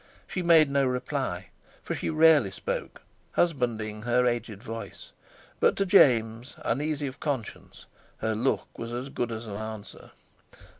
She made no reply, for she rarely spoke, husbanding her aged voice; but to James, uneasy of conscience, her look was as good as an answer.